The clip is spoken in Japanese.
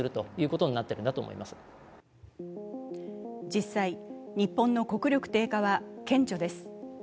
実際、日本の国力低下は顕著です。